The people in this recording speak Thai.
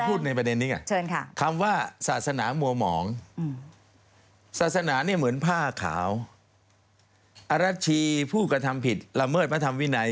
ในประเด็นนี้ไงคำว่าศาสนามัวหมองศาสนาเนี่ยเหมือนผ้าขาวอรัชชีผู้กระทำผิดละเมิดพระธรรมวินัย